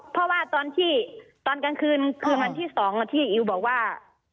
เพราะว่าตอนกลางคืนวันที่๒ที่อิ๋วบอกว่า